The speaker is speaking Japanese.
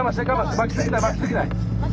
巻きすぎない巻きすぎない！